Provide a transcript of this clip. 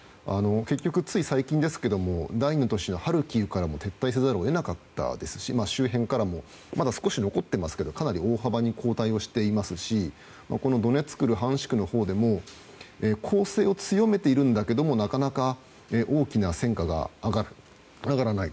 結局、つい最近ですけれども第２の都市のハルキウからも撤退せざるを得なかったですし周辺からもまだ少し残っていますが大幅に後退していますしドネツク、ルハンシクのほうでも攻勢を強めているんだけれどもなかなか大きな戦果が上がらない。